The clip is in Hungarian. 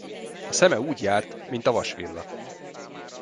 A szeme úgy járt, mint a vasvilla.